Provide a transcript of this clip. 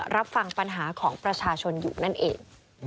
รับฟังปัญหาของประชาชนอยู่นั่นเอง